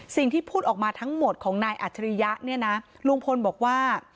สิ่งที่พูดออกมาทั้งหมดของนายอัธิริยะลุงพลบอกว่า